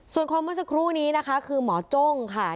ส่วนคนเมื่อสักครู่นี้นะคะคือหมอจ้งค่ะ